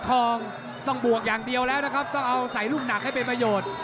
ทองต้องบวกอย่างเดียวแล้วนะครับต้องเอาใส่ลูกหนักให้เป็นประโยชน์